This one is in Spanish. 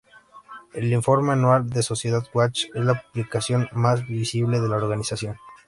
El Informe Anual de Social Watch es la publicación más visible de la organización.